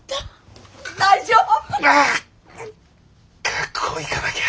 学校行かなきゃ。